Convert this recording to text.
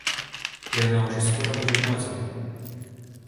И она уж скоро будет матерью!